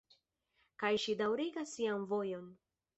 Kaj ŝi daŭrigas sian vojon.